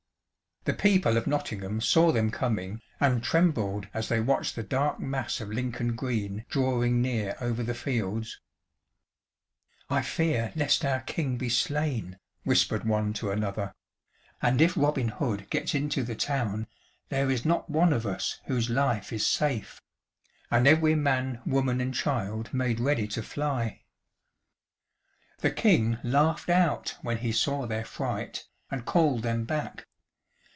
The people of Nottingham saw them coming, and trembled as they watched the dark mass of Lincoln green drawing near over the fields. "I fear lest our King be slain," whispered one to another, "and if Robin Hood gets into the town there is not one of us whose life is safe"; and every man, woman, and child made ready to fly. The King laughed out when he saw their fright, and called them back.